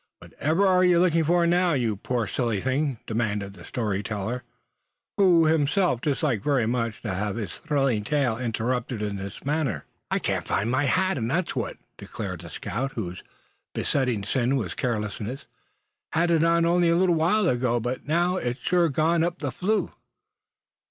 "Whatever are you looking for now, you poor silly thing?" demanded the story teller, who himself disliked very much to have his thrilling tale interrupted in this manner. "I can't find my hat, and that's what?" declared the scout whose besetting sin was carelessness; "Had it on only a little while ago, but now it's sure gone up the flue."